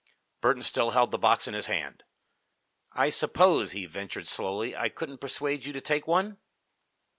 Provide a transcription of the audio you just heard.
Burton still held the box in his hand. "I suppose," he ventured slowly, "I couldn't persuade you to take one?"